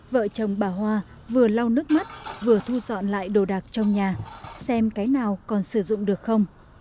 vợ chồng bà hoa vừa lau nước mắt vừa thu dọn lại đồ đạc trong nhà xem cái nào còn sử dụng được không